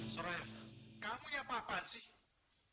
sora kamu ini apa apaan sih